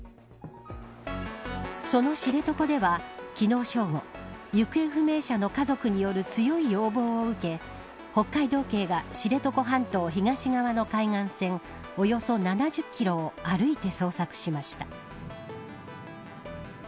その知床では、昨日正午行方不明者の家族による強い要望を受け北海道警が知床半島東側の海岸線およそ７０キロを歩いて捜索しました。